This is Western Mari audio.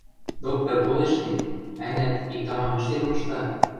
Доктор толеш гӹнь, ӓнят, иктӓ-мам ӹштен мышта...